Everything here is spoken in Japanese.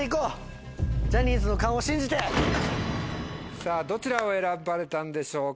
さぁどちらを選ばれたんでしょうか？